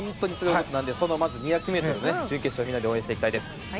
まず２００ｍ準決勝をみんなで応援していきたいです。